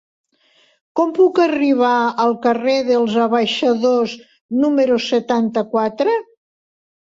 Com puc arribar al carrer dels Abaixadors número setanta-quatre?